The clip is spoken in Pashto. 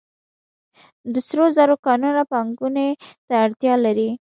د سرو زرو کانونه پانګونې ته اړتیا لري